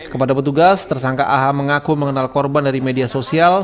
kepada petugas tersangka aha mengaku mengenal korban dari media sosial